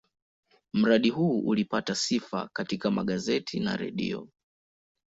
Mradi huu ulipata sifa katika magazeti na redio.